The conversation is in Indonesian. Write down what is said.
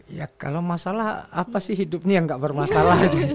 ya kalau masalah apa sih hidupnya yang gak bermasalah gitu